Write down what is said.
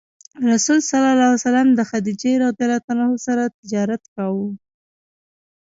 رسول الله ﷺ د خدیجې رض سره تجارت کاوه.